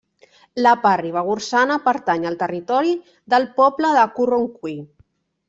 La part ribagorçana pertany al territori del poble de Corroncui.